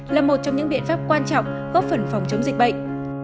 là một trong những biện pháp quan trọng góp phần phòng chống dịch bệnh